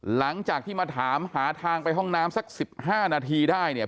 หลังจากที่มาถามหาทางไปห้องน้ำสัก๑๕นาทีได้เนี่ย